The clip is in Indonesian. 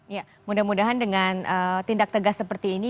ya mudah mudahan dengan tindak tegas seperti ini